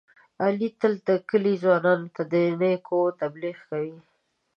علي تل د کلي ځوانانو ته د نېکو تبلیغ کوي.